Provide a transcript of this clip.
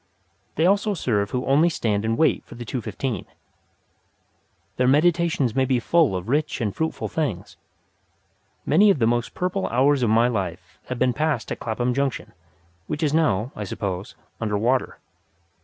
They also serve who only stand and wait for the two fifteen. Their meditations may be full of rich and fruitful things. Many of the most purple hours of my life have been passed at Clapham Junction, which is now, I suppose, under water.